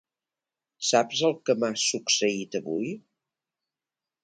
Saps el que m'ha succeït avui?